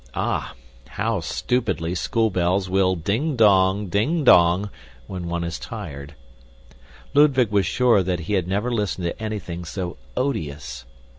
Ah, how stupidly school bells will ding dong, ding dong, when one is tired. Ludwig was sure that he had never listened to anything so odious.